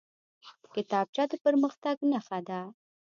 کتابچه د پرمختګ نښه ده